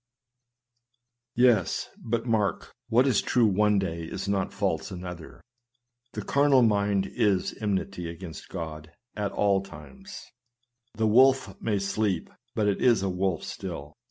' Yes, but mark, what is true one day is not false another ;" the carnal mind is enmity against God " at ail times. The wolf may sleep, but it is a wolf still.